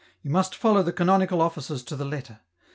You must follow the canonical offices to the letter.